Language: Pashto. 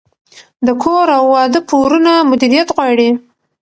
د کور او واده پورونه مدیریت غواړي.